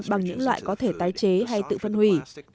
bằng những loại có thể tái chế hay tự phân hủy